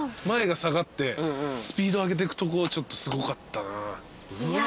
前が下がってスピード上げてくとこちょっとすごかったな。